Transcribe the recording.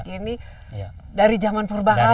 ini dari zaman purba kala ya